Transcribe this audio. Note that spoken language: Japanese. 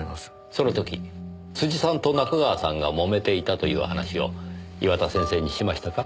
その時辻さんと仲川さんがもめていたという話を岩田先生にしましたか？